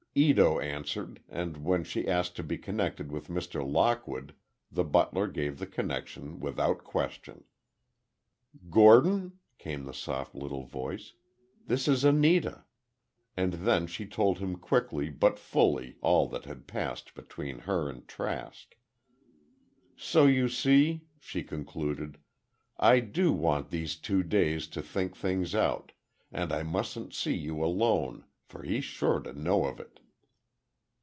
Ito answered and when she asked to be connected with Mr. Lockwood, the butler gave the connection without question. "Gordon?" came the soft little voice. "This is Anita." And then she told him quickly but fully all that had passed between her and Trask. "So you see," she concluded, "I do want these two days to think things out, and I mustn't see you alone, for he's sure to know of it."